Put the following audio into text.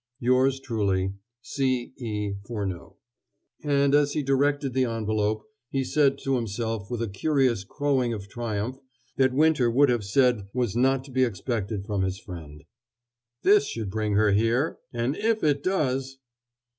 Yours truly, C. E. FURNEAUX. And, as he directed the envelope, he said to himself with a curious crowing of triumph that Winter would have said was not to be expected from his friend: "This should bring her here; and if it does